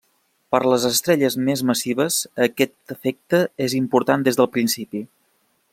Per a les estrelles més massives aquest efecte és important des del principi.